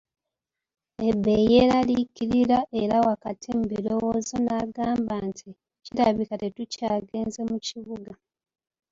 Ebei yeraliikirira era wakati mu birowoozo n'agamba nti, kirabika tetukyagenze mu kibuga .